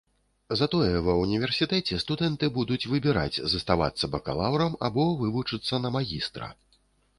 Затое ва ўніверсітэце студэнты будуць выбіраць, заставацца бакалаўрам або вывучыцца на магістра.